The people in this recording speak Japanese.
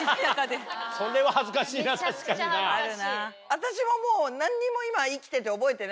私はもう。